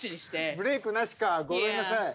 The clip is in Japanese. ブレークなしかごめんなさい。